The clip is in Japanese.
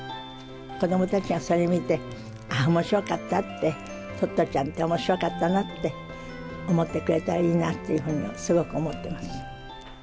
子どもたちがそれ見て、ああ、おもしろかったって、トットちゃんっておもしろかったなって思ってくれたらいいなっていうふうに、すごく思ってます。